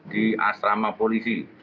di asrama polisi